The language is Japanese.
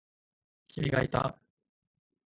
君がいた。